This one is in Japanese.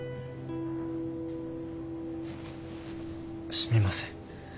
すみません。